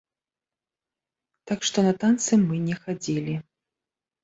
Так што на танцы мы не хадзілі.